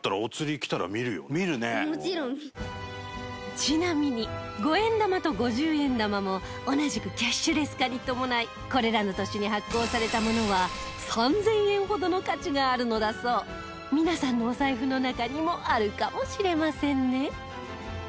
ちなみに、五円玉と五十円玉も同じくキャッシュレス化に伴いこれらの年に発行されたものは３０００円ほどの価値があるのだそう皆さんのお財布の中にもあるかもしれませんね